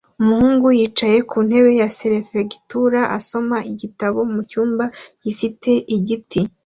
Umuhungu yicaye ku ntebe ya serefegitura asoma igitabo mucyumba gifite igiti